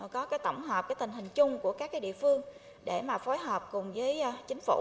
có tổng hợp tình hình chung của các địa phương để phối hợp cùng với chính phủ